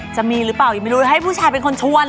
จะมีหรือเปล่ายังไม่รู้ให้ผู้ชายเป็นคนชวน